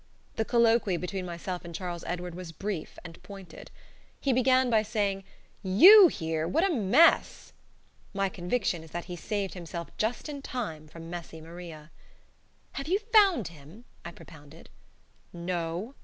The colloquy between myself and Charles Edward was brief and pointed. He began by saying, "YOU here! What a mess! " My conviction is that he saved himself just in time from Messymaria. "Have you found him?" I propounded. "No."